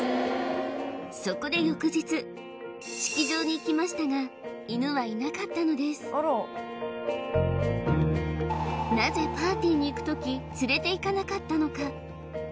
そこで翌日式場に行きましたが犬はいなかったのですなぜパーティーに行く時連れていかなかったのか？